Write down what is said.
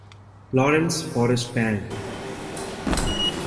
Lawrence forest band.